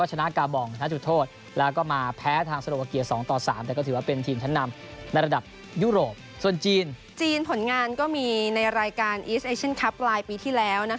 ชนะเขลแย่ปีที่แล้ว